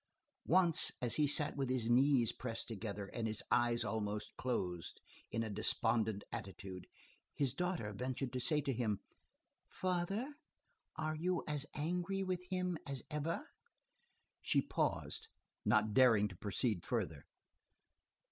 Once as he sat with his knees pressed together, and his eyes almost closed, in a despondent attitude, his daughter ventured to say to him:— "Father, are you as angry with him as ever?" She paused, not daring to proceed further.